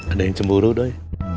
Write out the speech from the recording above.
ada yang cemburu doi